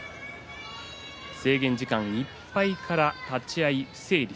制限時間いっぱいから立ち合い不成立。